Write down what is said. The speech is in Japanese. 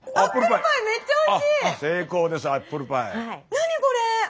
何これ。